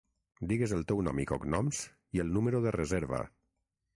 Digues el teu nom i cognoms i el número de reserva.